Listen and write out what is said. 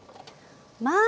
まあ！